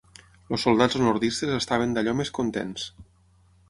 Els soldats nordistes estaven d'allò més contents.